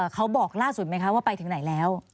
เขาบอกล่าสุดไหมคะว่าไปถึงไหนแล้ว